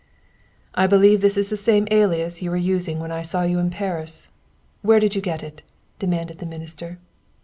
"I believe this is the same alias you were using when I saw you in Paris. Where did you get it?" demanded the minister.